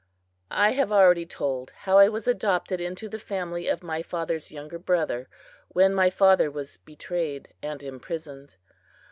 I have already told how I was adopted into the family of my father's younger brother, when my father was betrayed and imprisoned.